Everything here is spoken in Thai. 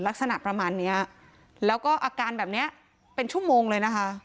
ลักษณะประมาณเนี้ยแล้วก็อาการแบบเนี้ยเป็นชั่วโมงเลยนะคะ